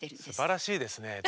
すばらしいですね。